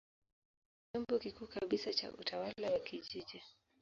Hiki ni chombo kikuu kabisa cha utawala wa kijiji.